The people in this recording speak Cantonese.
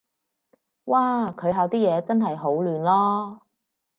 嘩，佢校啲嘢真係好亂囉